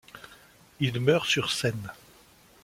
Il meurt sur scène.